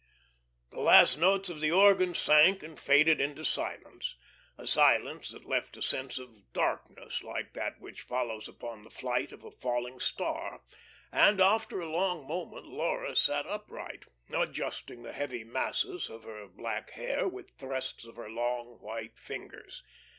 The last notes of the organ sank and faded into silence a silence that left a sense of darkness like that which follows upon the flight of a falling star, and after a long moment Laura sat upright, adjusting the heavy masses of her black hair with thrusts of her long, white fingers.